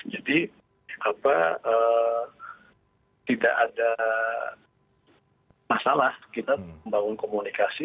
jadi tidak ada masalah kita membangun komunikasi